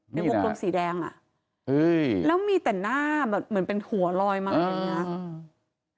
ในวงกรมสีแดงอ่ะเฮ้ยแล้วมีแต่หน้าแบบเหมือนเป็นหัวลอยมากเลยน่ะอือ